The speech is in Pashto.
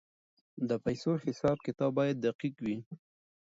د پیسو حساب کتاب باید دقیق وي.